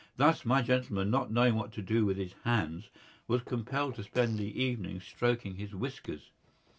Thus, my gentleman, not knowing what to do with his hands, was compelled to spend the evening stroking his whiskers.